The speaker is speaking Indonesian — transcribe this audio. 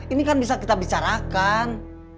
ini kan bisa kita bicarakan